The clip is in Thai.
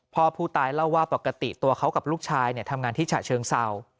พ่อผู้ตายเล่าว่าปกติตัวเขากับลูกชายทำงานที่ฉะเชิงเศร้า